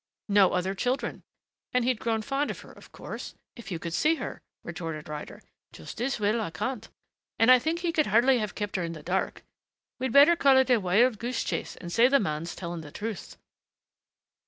"No other children. And he'd grown fond of her, of course. If you could see her!" retorted Ryder. "Just as well, I can't.... And I think he could hardly have kept her in the dark.... We'd better call it a wild goose chase and say the man's telling the truth."